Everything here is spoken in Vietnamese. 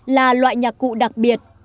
là loại nhạc cụ đặc biệt